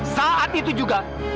saat itu juga